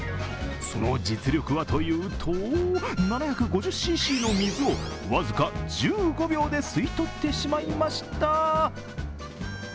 その実力はというと７５０ｃｃの水を僅か１５秒で吸い取ってしまいました。